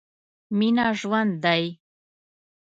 مينه ژوند دی.